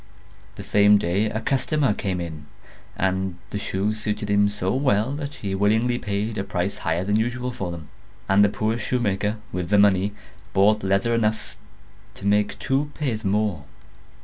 The same day a customer came in, and the shoes suited him so well that he willingly paid a price higher than usual for them; and the poor shoemaker, with the money, bought leather enough to make two pairs more.